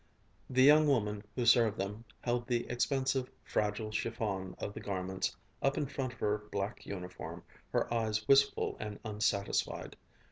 The young woman who served them held the expensive, fragile chiffon of the garments up in front of her black uniform, her eyes wistful and unsatisfied.